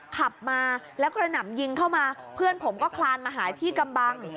ขับมาแล้วกระหน่ำยิงเข้ามาเพื่อนผมก็คลานมาหายที่กำบัง